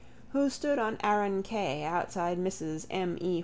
who stood on Arran quay outside Mrs M. E.